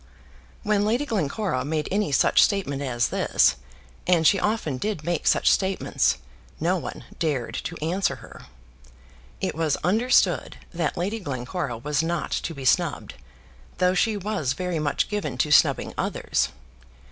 When Lady Glencora made any such statement as this, and she often did make such statements, no one dared to answer her. It was understood that Lady Glencora was not to be snubbed, though she was very much given to snubbing others.